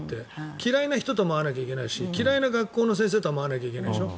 嫌いな人とも会わなきゃいけないし嫌いな学校の先生とも会わなきゃいけないでしょ。